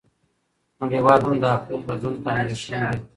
نړیوال هم د اقلیم بدلون ته اندېښمن دي.